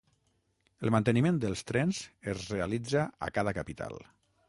El manteniment dels trens es realitza a cada capital.